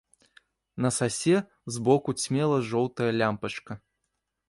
На сасе збоку цьмела жоўтая лямпачка.